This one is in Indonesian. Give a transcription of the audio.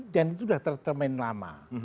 dan itu sudah terkermain lama